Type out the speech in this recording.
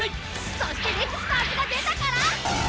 そしてレクスターズが出たから。